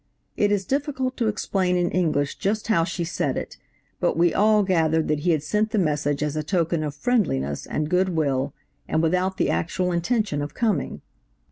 It is difficult to explain in English just how she said it, but we all gathered that he had sent the message as a token of friendliness and good will, and without the actual intention of coming.